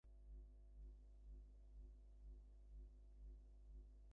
তার পরও তারা অবৈধভাবে পশ্চিমাঞ্চল কার্যালয় চত্বরে আরেকটি কার্যালয় নির্মাণ করছে।